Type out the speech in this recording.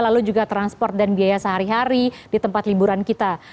lalu juga transport dan biaya sehari hari di tempat liburan kita